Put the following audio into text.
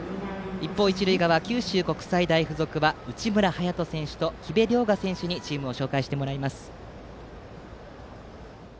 一方、一塁側の九州国際大付属は内村颯人選手と木部涼雅選手にチームを紹介してもらいます。